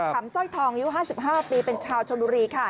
คำสร้อยทองอายุ๕๕ปีเป็นชาวชนบุรีค่ะ